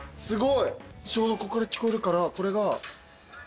ちょうどここから聞こえるからこれが。